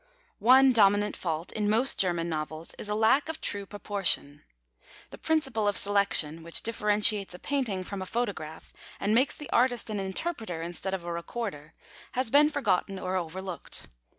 One dominant fault in most German novels is a lack of true proportion. The principle of selection, which differentiates a painting from a photograph, and makes the artist an Interpreter instead of a Recorder, has been forgotten or overlooked.